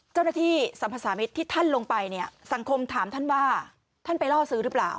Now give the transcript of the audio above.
สัมภาษามิตรที่ท่านลงไปเนี่ยสังคมถามท่านว่าท่านไปล่อซื้อหรือเปล่า